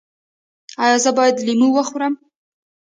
ایا زه باید لیمو وخورم؟